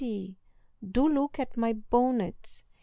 do look at my bonnet!"